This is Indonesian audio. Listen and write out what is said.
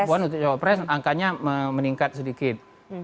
mbak puan untuk cawapres angkanya meningkat sedikit